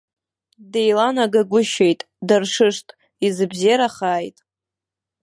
Деиланагагәышьеит, даршышт, изыбзиарахааит!